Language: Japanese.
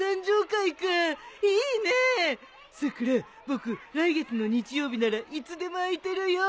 僕来月の日曜日ならいつでも空いてるよ。